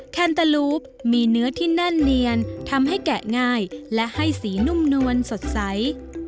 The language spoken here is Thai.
แคนเตอร์ลูปมีเนื้อที่แน่นเนียนทำให้แกะง่ายและให้สีนุ่มนวลสดใส